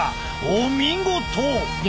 お見事！